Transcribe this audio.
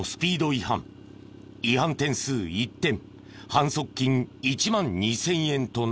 違反点数１点反則金１万２０００円となる。